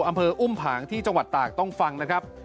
อำเภออุ้มผางที่จังหวัดตากต้องฟังนะครับ